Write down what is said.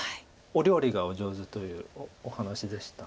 お料理がお上手というお話でしたね。